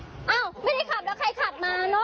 อ้าวไม่ได้ขับแล้วใครขับมาเนอะ